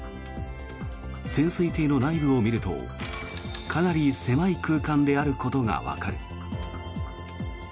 潜水艇の内部を見るとかなり狭い空間であることがわかる。